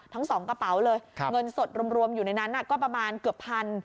ทั้งสองกระเป๋าเลยเงินสดรวมอยู่ในนั้นก็ประมาณเกือบพัน